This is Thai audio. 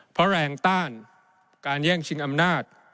เพราะแรงต้านการแย่งชิงอำนาจ